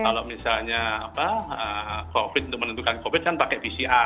kalau misalnya covid untuk menentukan covid kan pakai pcr